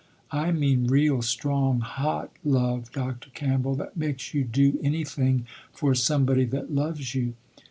I mean real, strong, hot love Dr. Campbell, that makes you do anything for somebody that loves you."